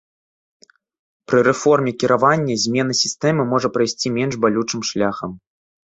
Пры рэформе кіравання змена сістэмы можа прайсці менш балючым шляхам.